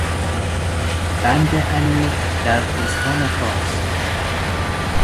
بند امیر در استان فارس